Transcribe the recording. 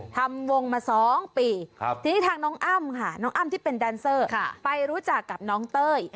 ทำวงมา๒ปีทีนี้ทางน้องอ้ำค่ะน้องอ้ำที่เป็นแดนเซอร์ไปรู้จักกับน้องเต้ย